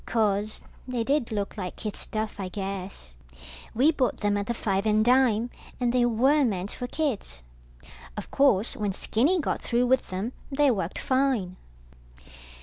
Course, they did look like kid stuff, I guess. We bought them at the five and dime, and they were meant for kids. Of course when Skinny got through with them, they worked fine.